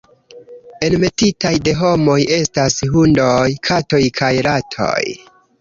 Enmetitaj de homoj estas hundoj, katoj kaj ratoj.